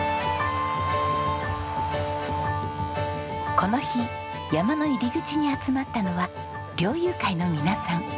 この日山の入り口に集まったのは猟友会の皆さん。